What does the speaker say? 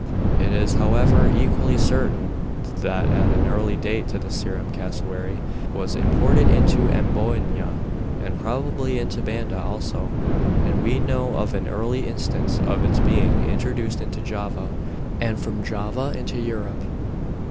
It is, however, equally certain that at an early date the Ceram cassowary was imported into Amboyna and probably into Banda also, and we know of an early instance of its being introduced into Java, and from Java into Europe.